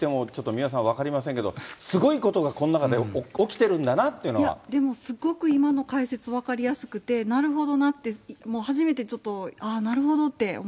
三輪さん、分かりませんけど、すごいことがこの中で起きてるんだなっていうでもすごく今の解説分かりやすくて、なるほどなって初めてちょっとああ、なるほどって思